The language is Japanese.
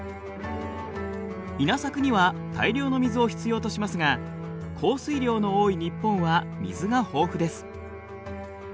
稲作には大量の水を必要としますが降水量の多い日本は水が豊富です。